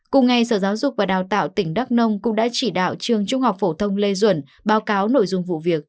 cùng ngày sở giáo dục và đào tạo tỉnh đắk nông cũng đã chỉ đạo trường trung học phổ thông lê duẩn báo cáo nội dung vụ việc